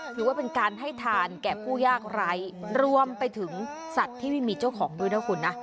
ถือว่าเป็นการให้ทานแก่ผู้ยากไร้รวมไปถึงสัตว์ที่ไม่มีเจ้าของด้วยนะคุณนะ